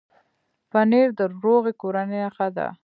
پنېر د روغې کورنۍ نښه ده.